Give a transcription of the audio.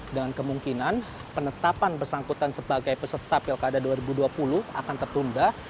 dengan kemungkinan penetapan bersangkutan sebagai peserta pilkada dua ribu dua puluh akan tertunda